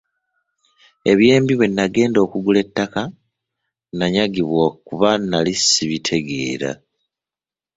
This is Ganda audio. Eby'embi bwe nagenda okugula ettaka, nanyagibwa kuba nnali sibitegeera.